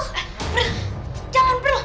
beb jangan bro